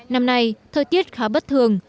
năm nay thời tiết khá bất thường